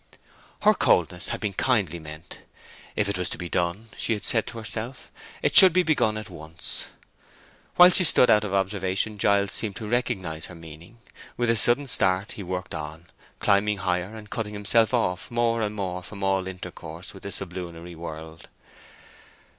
Her coldness had been kindly meant. If it was to be done, she had said to herself, it should be begun at once. While she stood out of observation Giles seemed to recognize her meaning; with a sudden start he worked on, climbing higher, and cutting himself off more and more from all intercourse with the sublunary world.